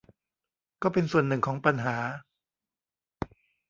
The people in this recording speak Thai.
ก็เป็นส่วนหนึ่งของปัญหา